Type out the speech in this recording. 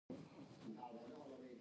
ملا حسن اخند ساکزی په تلوکان کي ښخ دی.